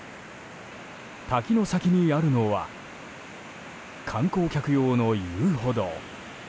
滝の先にあるのは観光客用の遊歩道。